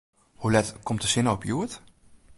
Hoe let komt de sinne op hjoed?